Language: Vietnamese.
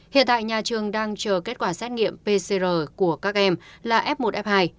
hiện tại nhà trường đang chờ kết quả xét nghiệm pcr của các em là f một f hai